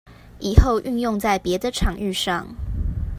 以後運用在別的場域上